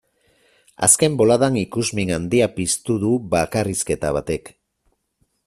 Azken boladan ikusmin handia piztu du bakarrizketa batek.